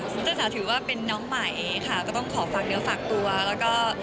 ซึ่งเจ้าสาวถือว่าเป็นน้องใหม่ค่ะก็ต้องขอฝากเนื้อฝากตัวแล้วก็